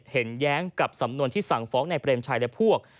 แย้งกับสำนวนที่สั่งฟ้องในเปรมชัยและพวก